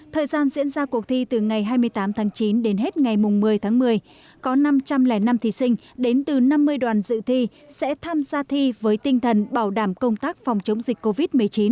thời gian diễn ra cuộc thi từ ngày hai mươi tám tháng chín đến hết ngày một mươi tháng một mươi có năm trăm linh năm thí sinh đến từ năm mươi đoàn dự thi sẽ tham gia thi với tinh thần bảo đảm công tác phòng chống dịch covid một mươi chín